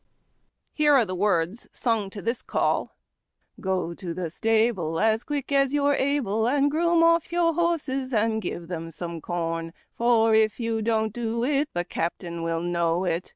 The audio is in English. Here are the words suno to this call :— Go to the stable, as quick as you're able, And groom off your horses, and give them some corn; For if you don't do it the captain will know it.